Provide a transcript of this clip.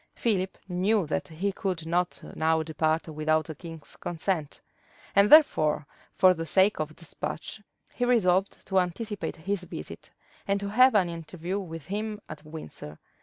Philip knew that he could not now depart without the king's consent; and therefore, for the sake of despatch, he resolved to anticipate his visit, and to have an interview with him at Windsor.